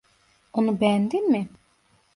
Onu beğendin mi?